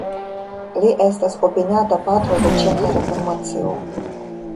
Li estas opiniata patro de ĉeĥa reformacio.